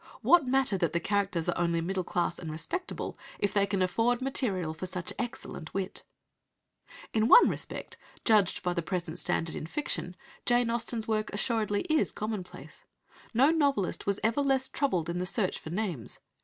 What matter that the characters are only middle class and "respectable," if they can afford material for such excellent wit? In one respect, judged by the present standard in fiction, Jane Austen's work assuredly is "commonplace." No novelist was ever less troubled in the search for names.